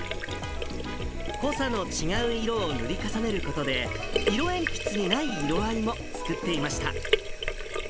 濃さの違う色を塗り重ねることで、色鉛筆にない色合いも作っていました。